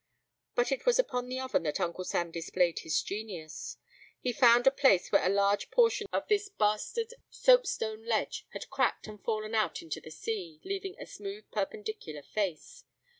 But it was upon the oven that Uncle Sam displayed his genius. He found a place where a large portion of this bastard soapstone ledge had cracked and fallen out into the sea, leaving a smooth perpendicular face.